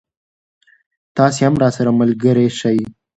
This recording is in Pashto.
تاسې هم راسره ملګری شئ.